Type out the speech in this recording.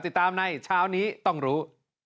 ติดตามในเช้านี้ต้องรู้